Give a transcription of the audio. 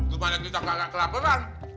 gimana kita kagak kelaperan